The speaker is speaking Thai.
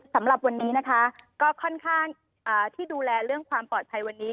สำหรับวันนี้นะคะก็ค่อนข้างที่ดูแลเรื่องความปลอดภัยวันนี้